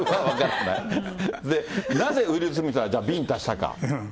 なぜウィル・スミスはじゃあ、ビンタしたか。